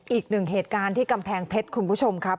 อีกหนึ่งเหตุการณ์ที่กำแพงเพชรคุณผู้ชมครับ